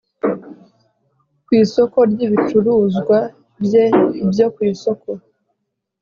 ku isoko ry ibicuruzwa bye byo ku isoko